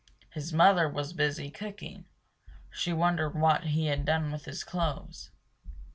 His mother was busy cooking; she wondered what he had done with his clothes.